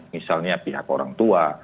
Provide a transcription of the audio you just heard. misalnya pihak orang tua